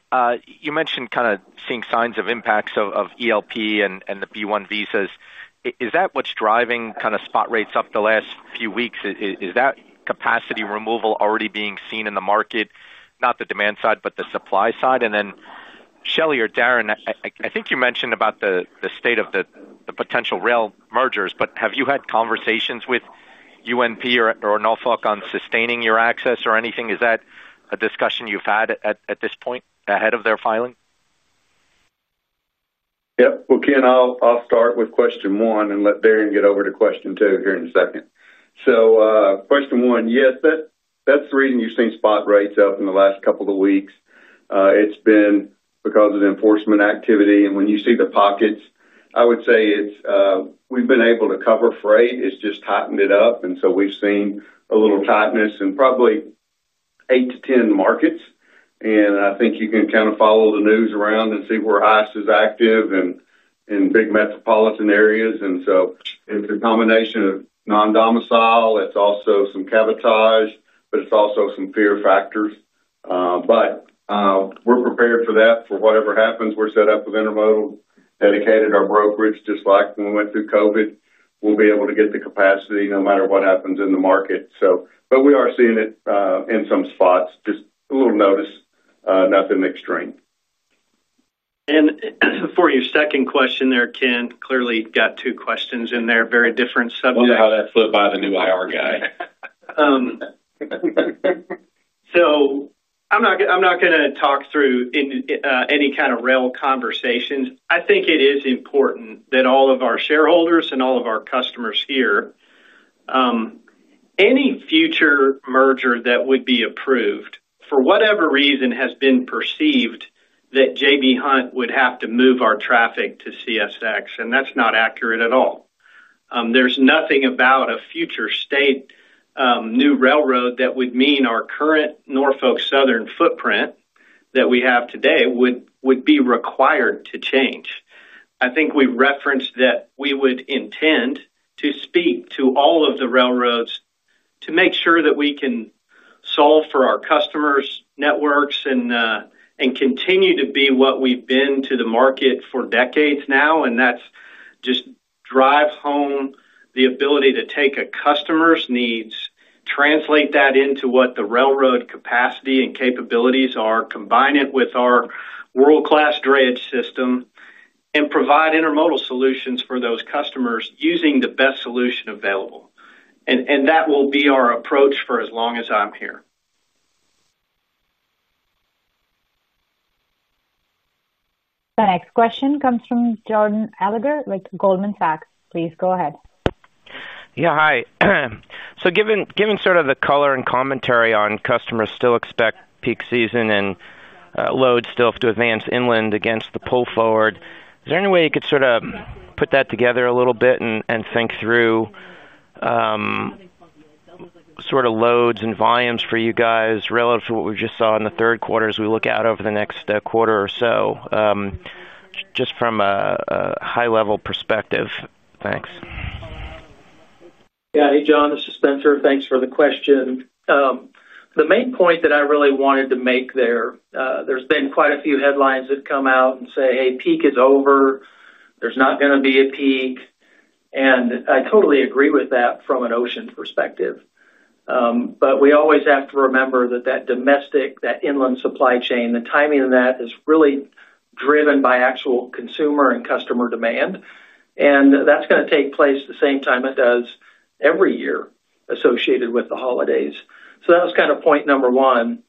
you mentioned kind of seeing signs of impacts of ELP and the B-1 visas. Is that what's driving kind of spot rates up the last few weeks? Is that capacity removal already being seen in the market, not the demand side, but the supply side? Shelley or Darren, I think you mentioned about the state of the potential rail mergers. Have you had conversations with UNP or Norfolk on sustaining your access or anything? Is that a discussion you've had at this point ahead of their filing? Yeah, Ken, I'll start with question one and let Darren get over to question two here in a second. Question one, yes, that's the reason you've seen spot rates up in the last couple of weeks. It's been because of the enforcement activity. When you see the pockets, I would say we've been able to cover freight. It's just tightened it up, and we've seen a little tightness in probably 8-10 markets. I think you can kind of follow the news around and see where ICE is active in big metropolitan areas. It's a combination of non-domicile, some cabotage, and also some fear factors. We're prepared for that. For whatever happens, we're set up with intermodal, dedicated, our brokerage, just like when we went through COVID. We'll be able to get the capacity no matter what happens in the market. We are seeing it in some spots, just a little notice, nothing extreme. For your second question there, Ken, you clearly got two questions in there, very different subjects. I wonder how that flipped by the new IR guy. I'm not going to talk through any kind of rail conversations. I think it is important that all of our shareholders and all of our customers hear any future merger that would be approved for whatever reason has been perceived that J.B. Hunt would have to move our traffic to CSX. That's not accurate at all. There's nothing about a future state new railroad that would mean our current Norfolk Southern footprint that we have today would be required to change. I think we referenced that we would intend to speak to all of the railroads to make sure that we can solve for our customers' networks and continue to be what we've been to the market for decades now. That just drives home the ability to take a customer's needs, translate that into what the railroad capacity and capabilities are, combine it with our world-class drayage system, and provide intermodal solutions for those customers using the best solution available. That will be our approach for as long as I'm here. The next question comes from Jordan Alliger with Goldman Sachs. Please go ahead. Yeah, hi. Given sort of the color and commentary on customers still expect peak season and loads still have to advance inland against the pull forward, is there any way you could put that together a little bit and think through sort of loads and volumes for you guys relative to what we just saw in the third quarter as we look out over the next quarter or so, just from a high-level perspective? Thanks. Yeah, hey, John, this is Spencer. Thanks for the question. The main point that I really wanted to make there, there's been quite a few headlines that come out and say, "Hey, peak is over. There's not going to be a peak." I totally agree with that from an ocean perspective. We always have to remember that domestic, that inland supply chain, the timing of that is really driven by actual consumer and customer demand. That's going to take place at the same time it does every year associated with the holidays. That was kind of point number one.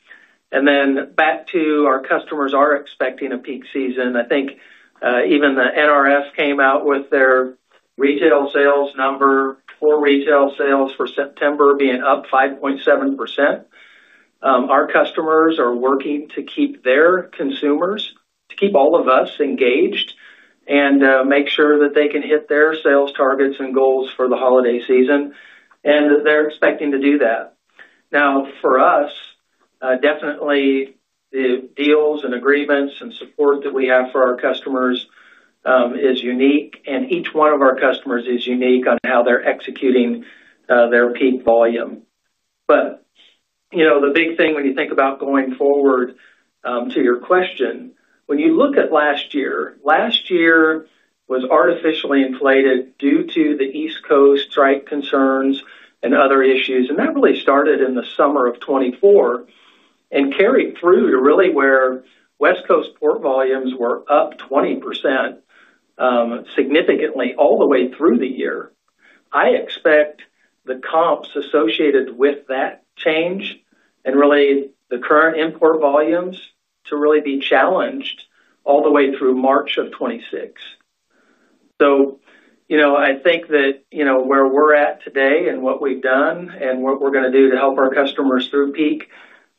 Back to our customers are expecting a peak season. I think even the NRF came out with their retail sales number, full retail sales for September being up 5.7%. Our customers are working to keep their consumers, to keep all of us engaged and make sure that they can hit their sales targets and goals for the holiday season. They're expecting to do that. Now, for us, definitely the deals and agreements and support that we have for our customers is unique. Each one of our customers is unique on how they're executing their peak volume. The big thing when you think about going forward to your question, when you look at last year, last year was artificially inflated due to the East Coast strike concerns and other issues. That really started in the summer of 2024 and carried through to really where West Coast port volumes were up 20% significantly all the way through the year. I expect the comps associated with that change and really the current import volumes to really be challenged all the way through March of 2026. I think that where we're at today and what we've done and what we're going to do to help our customers through peak,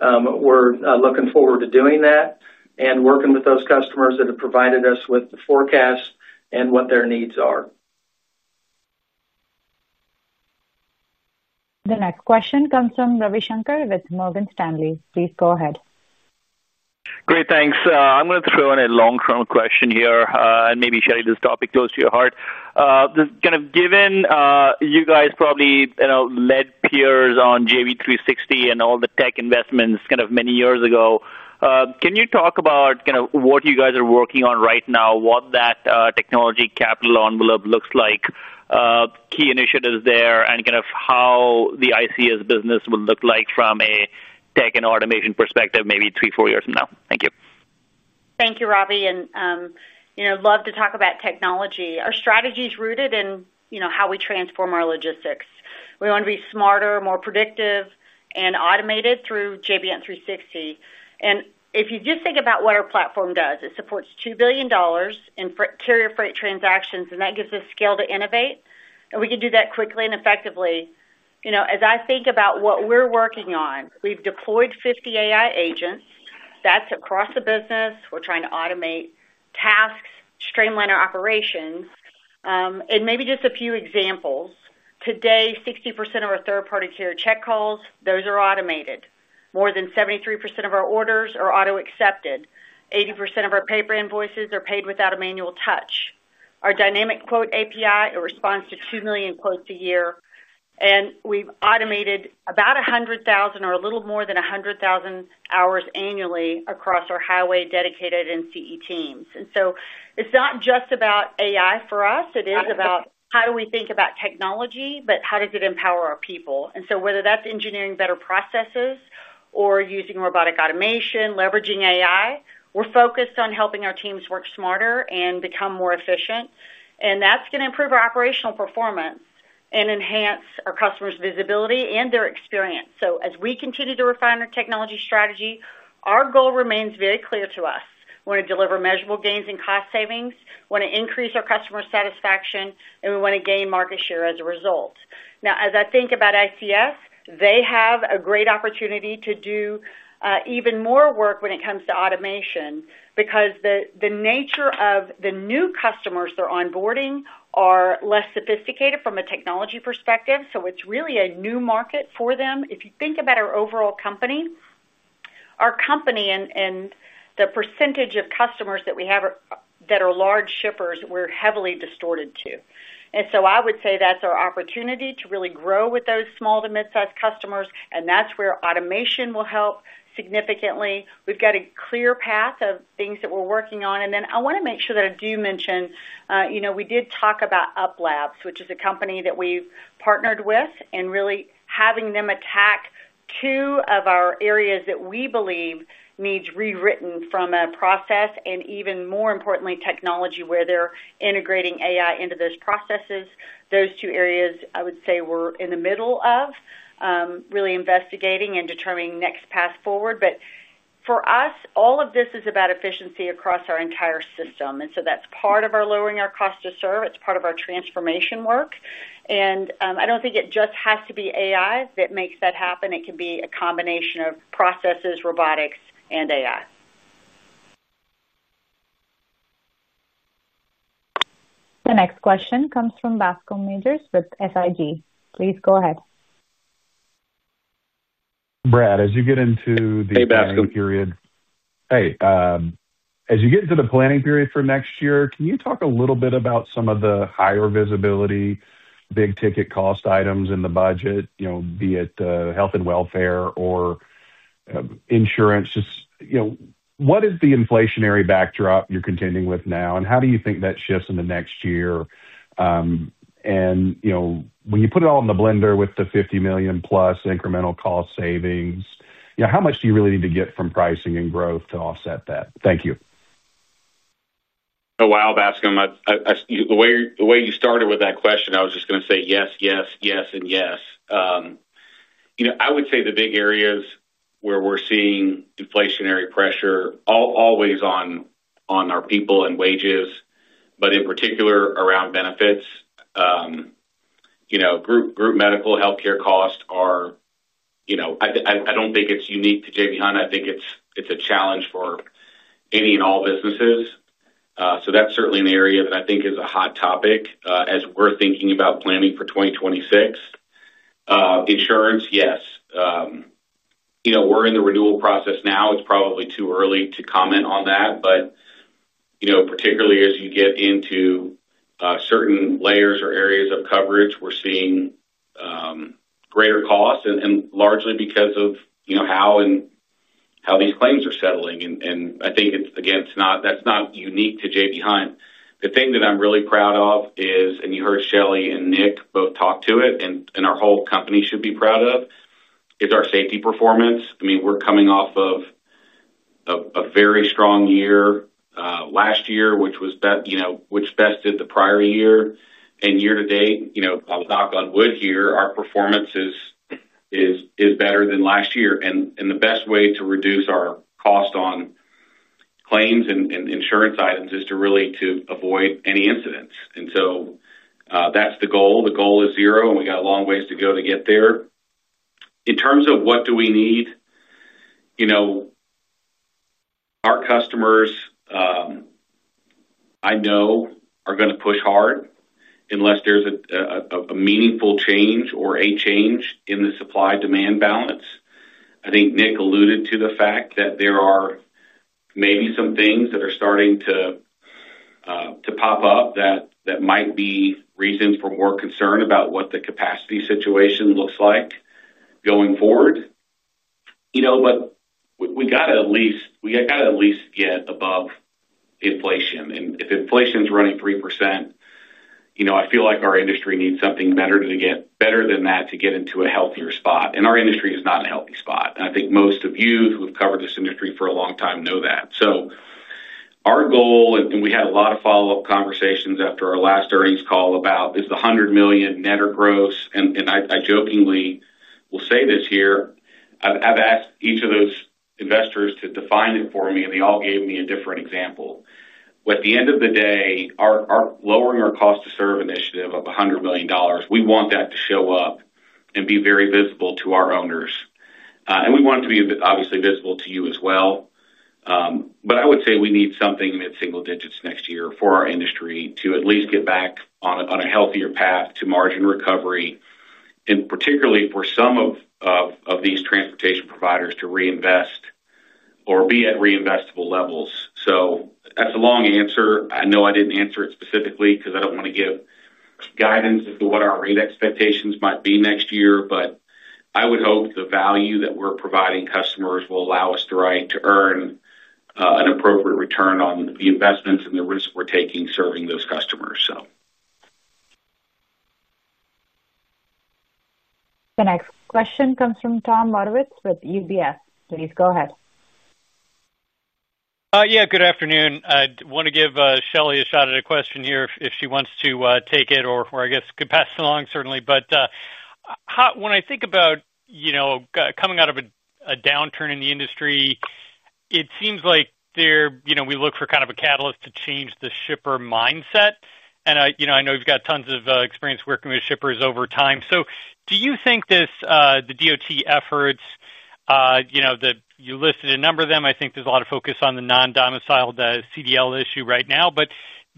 we're looking forward to doing that and working with those customers that have provided us with the forecast and what their needs are. The next question comes from Ravi Shanker with Morgan Stanley. Please go ahead. Great, thanks. I'm going to throw in a long-term question here, and maybe Shelley, this topic goes to your heart. Given you guys probably, you know, led tiers on J.B. Hunt 360° and all the tech investments many years ago, can you talk about what you guys are working on right now, what that technology capital envelope looks like, key initiatives there, and how the ICS business will look like from a tech and automation perspective maybe three, four years from now? Thank you. Thank you, Ravi. I'd love to talk about technology. Our strategy is rooted in how we transform our logistics. We want to be smarter, more predictive, and automated through J.B. Hunt 360°. If you just think about what our platform does, it supports $2 billion in carrier freight transactions, and that gives us scale to innovate. We can do that quickly and effectively. As I think about what we're working on, we've deployed 50 AI agents across the business. We're trying to automate tasks, streamline our operations, and maybe just a few examples. Today, 60% of our third-party carrier check calls are automated. More than 73% of our orders are auto-accepted. 80% of our paper invoices are paid without a manual touch. Our dynamic quote API responds to 2 million quotes a year. We've automated about 100,000 or a little more than 100,000 hours annually across our highway, dedicated, and NCE teams. It is not just about AI for us. It is about how we think about technology, but how does it empower our people? Whether that's engineering better processes or using robotic automation, leveraging AI, we're focused on helping our teams work smarter and become more efficient. That is going to improve our operational performance and enhance our customers' visibility and their experience. As we continue to refine our technology strategy, our goal remains very clear to us. We want to deliver measurable gains in cost savings. We want to increase our customer satisfaction, and we want to gain market share as a result. As I think about ICS, they have a great opportunity to do even more work when it comes to automation because the nature of the new customers they're onboarding are less sophisticated from a technology perspective. It is really a new market for them. If you think about our overall company and the percentage of customers that we have that are large shippers, we're heavily distorted to. I would say that's our opportunity to really grow with those small to mid-sized customers. That's where automation will help significantly. We've got a clear path of things that we're working on. I want to make sure that I do mention, you know, we did talk about UpLabs, which is a company that we've partnered with and really having them attack two of our areas that we believe need rewritten from a process and, even more importantly, technology where they're integrating AI into those processes. Those two areas, I would say, we're in the middle of really investigating and determining the next path forward. For us, all of this is about efficiency across our entire system. That's part of lowering our cost to serve. It's part of our transformation work. I don't think it just has to be AI that makes that happen. It can be a combination of processes, robotics, and AI. The next question comes from Bascome Majors with SIG. Please go ahead. Brad, as you get into. Hey Bascome. Hey. As you get into the planning period for next year, can you talk a little bit about some of the higher visibility, big ticket cost items in the budget, be it health and welfare or insurance? What is the inflationary backdrop you're contending with now? How do you think that shifts in the next year? When you put it all in the blender with the $50 million+ incremental cost savings, how much do you really need to get from pricing and growth to offset that? Thank you. Oh, wow, Bascome. The way you started with that question, I was just going to say yes, yes, yes, and yes. I would say the big areas where we're seeing inflationary pressure are always on our people and wages, but in particular around benefits. Group medical healthcare costs are, I don't think it's unique to J.B. Hunt. I think it's a challenge for any and all businesses. That's certainly an area that I think is a hot topic as we're thinking about planning for 2026. Insurance, yes. We're in the renewal process now. It's probably too early to comment on that. Particularly as you get into certain layers or areas of coverage, we're seeing greater costs and largely because of how these claims are settling. I think that's not unique to J.B. Hunt. The thing that I'm really proud of is, and you heard Shelley and Nick both talk to it and our whole company should be proud of, is our safety performance. We're coming off of a very strong year last year, which bested the prior year. Year to date, about God would hear, our performance is better than last year. The best way to reduce our cost on claims and insurance items is to really avoid any incidents. That's the goal. The goal is zero, and we got a long ways to go to get there. In terms of what do we need, our customers, I know, are going to push hard unless there's a meaningful change or a change in the supply-demand balance. I think Nick alluded to the fact that there are maybe some things that are starting to pop up that might be reasons for more concern about what the capacity situation looks like going forward. We got to at least get above inflation. If inflation's running 3%, I feel like our industry needs something better to get better than that to get into a healthier spot. Our industry is not in a healthy spot. I think most of you who've covered this industry for a long time know that. Our goal, and we had a lot of follow-up conversations after our last earnings call about, is the $100 million net or gross. I jokingly will say this here. I've asked each of those investors to define it for me, and they all gave me a different example. At the end of the day, our lowering our cost to serve initiative of $100 million, we want that to show up and be very visible to our owners. We want it to be obviously visible to you as well. I would say we need something in its single-digits next year for our industry to at least get back on a healthier path to margin recovery, particularly for some of these transportation providers to reinvest or be at reinvestable levels. That is a long answer. I know I didn't answer it specifically because I don't want to give guidance as to what our rate expectations might be next year, but I would hope the value that we're providing customers will allow us to earn an appropriate return on the investments and the risk we're taking serving those customers. The next question comes from Tom Markowitz with UBS. Please go ahead. Yeah, good afternoon. I want to give Shelley a shot at a question here if she wants to take it or I guess pass it along, certainly. When I think about, you know, coming out of a downturn in the industry, it seems like there, you know, we look for kind of a catalyst to change the shipper mindset. I know you've got tons of experience working with shippers over time. Do you think this, the DOT efforts, you know, that you listed a number of them, I think there's a lot of focus on the non-domicile CDL issue right now,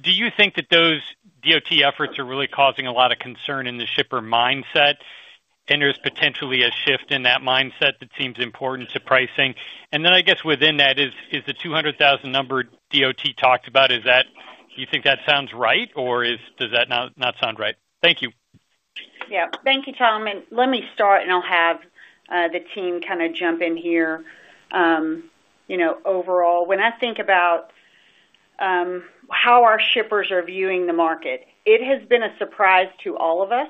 do you think that those DOT efforts are really causing a lot of concern in the shipper mindset? There's potentially a shift in that mindset that seems important to pricing. Within that is the 200,000 number DOT talked about. Do you think that sounds right or does that not sound right? Thank you. Yeah, thank you, Tom. Let me start and I'll have the team kind of jump in here. You know, overall, when I think about how our shippers are viewing the market, it has been a surprise to all of us,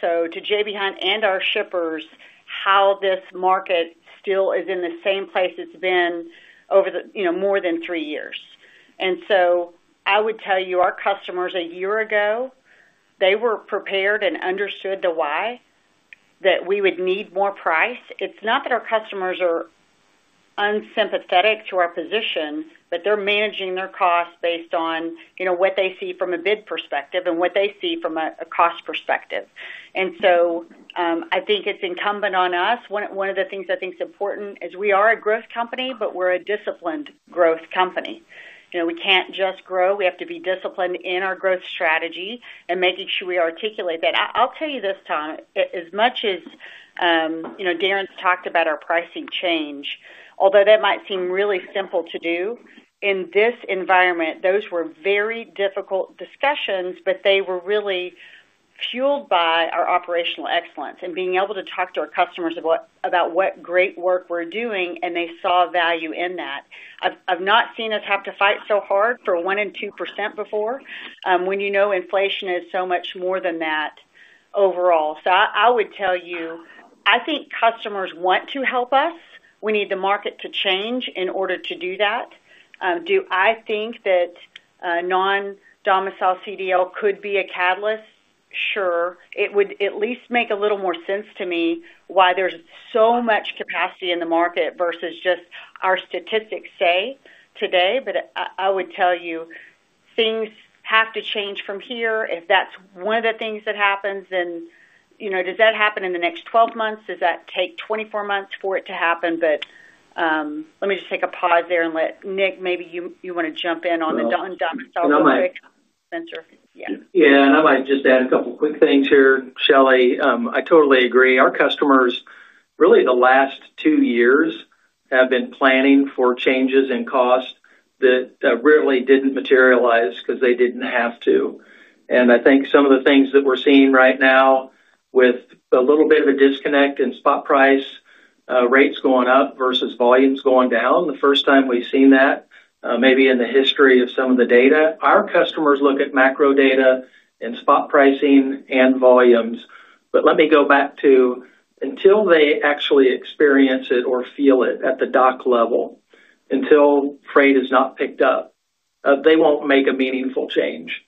to J.B. Hunt and our shippers, how this market still is in the same place it's been over the, you know, more than three years. I would tell you, our customers a year ago, they were prepared and understood the why that we would need more price. It's not that our customers are unsympathetic to our position, but they're managing their costs based on, you know, what they see from a bid perspective and what they see from a cost perspective. I think it's incumbent on us. One of the things I think is important is we are a growth company, but we're a disciplined growth company. You know, we can't just grow. We have to be disciplined in our growth strategy and making sure we articulate that. I'll tell you this, Tom, as much as, you know, Darren's talked about our pricing change, although that might seem really simple to do, in this environment, those were very difficult discussions, but they were really fueled by our operational excellence and being able to talk to our customers about what great work we're doing, and they saw value in that. I've not seen us have to fight so hard for 1% and 2% before when you know inflation is so much more than that overall. I would tell you, I think customers want to help us. We need the market to change in order to do that. Do I think that non-domicile CDL could be a catalyst? Sure. It would at least make a little more sense to me why there's so much capacity in the market versus just our statistics say today. I would tell you, things have to change from here. If that's one of the things that happens, then, you know, does that happen in the next 12 months? Does that take 24 months for it to happen? Let me just take a pause there and let Nick, maybe you want to jump in on the non-domicile quick. Yeah, and I might just add a couple of quick things here, Shelley. I totally agree. Our customers, really, the last two years have been planning for changes in cost that really didn't materialize because they didn't have to. I think some of the things that we're seeing right now with a little bit of a disconnect in spot price rates going up versus volumes going down, the first time we've seen that maybe in the history of some of the data. Our customers look at macro data and spot pricing and volumes. Let me go back to until they actually experience it or feel it at the dock level, until freight is not picked up, they won't make a meaningful change.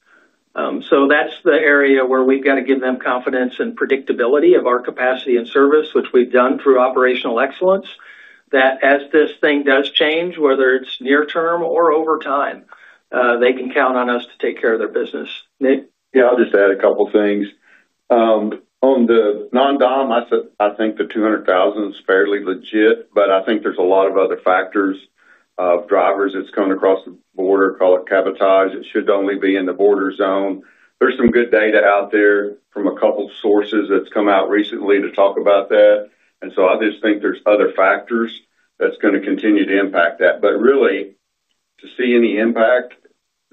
That's the area where we've got to give them confidence and predictability of our capacity and service, which we've done through operational excellence, that as this thing does change, whether it's near term or over time, they can count on us to take care of their business. Yeah, I'll just add a couple of things. On the non-dom, I think the 200,000 is fairly legit, but I think there's a lot of other factors of drivers that's going across the border, call it cabotage. It should only be in the border zone. There's some good data out there from a couple of sources that's come out recently to talk about that. I just think there's other factors that's going to continue to impact that. Really, to see any impact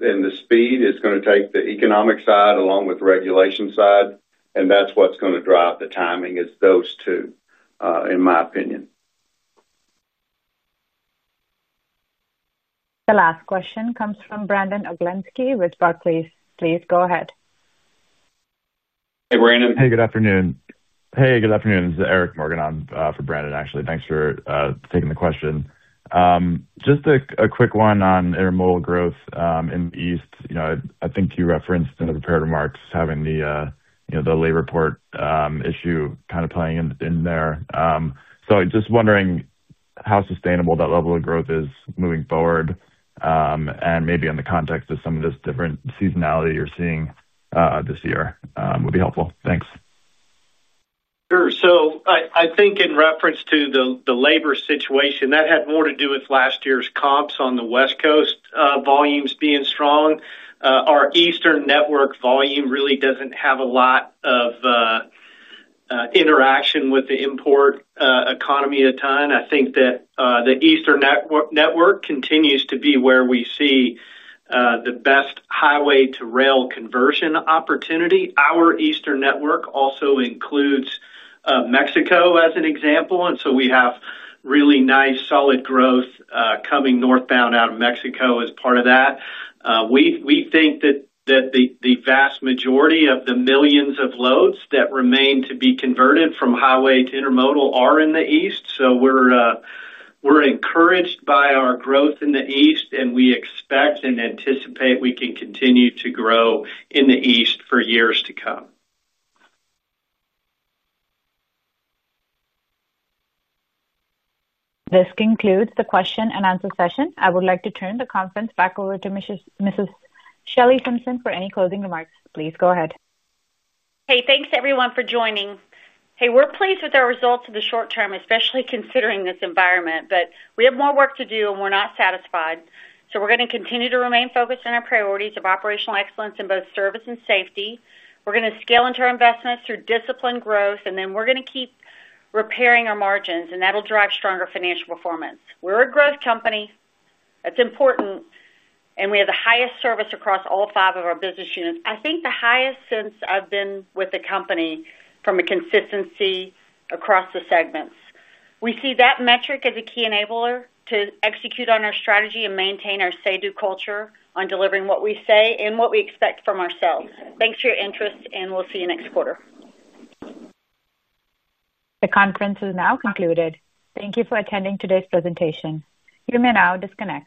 in the speed, it's going to take the economic side along with the regulation side, and that's what's going to drive the timing is those two, in my opinion. The last question comes from Brandon Oglenski with Barclays. Please go ahead. Hey, Brandon. Good afternoon. This is Eric Morgan. I'm for Brandon, actually. Thanks for taking the question. Just a quick one on intermodal growth in the East. I think you referenced in the prepared remarks having the labor port issue kind of playing in there. I'm just wondering how sustainable that level of growth is moving forward and maybe in the context of some of this different seasonality you're seeing this year would be helpful. Thanks. Sure. I think in reference to the labor situation, that had more to do with last year's comps on the West Coast volumes being strong. Our Eastern network volume really doesn't have a lot of interaction with the import economy a ton. I think that the Eastern network continues to be where we see the best highway to rail conversion opportunity. Our Eastern network also includes Mexico as an example. We have really nice solid growth coming northbound out of Mexico as part of that. We think that the vast majority of the millions of loads that remain to be converted from highway to intermodal are in the East. We're encouraged by our growth in the East, and we expect and anticipate we can continue to grow in the East for years to come. This concludes the question and answer session. I would like to turn the conference back over to Mrs. Shelley Simpson for any closing remarks. Please go ahead. Hey, thanks everyone for joining. We're pleased with our results in the short term, especially considering this environment, but we have more work to do and we're not satisfied. We're going to continue to remain focused on our priorities of operational excellence in both service and safety. We're going to scale into our investments through disciplined growth, and we're going to keep repairing our margins, and that'll drive stronger financial performance. We're a growth company. That's important. We have the highest service across all five of our business units, I think the highest since I've been with the company from a consistency across the segments. We see that metric as a key enabler to execute on our strategy and maintain our say-do culture on delivering what we say and what we expect from ourselves. Thanks for your interest, and we'll see you next quarter. The conference is now concluded. Thank you for attending today's presentation. You may now disconnect.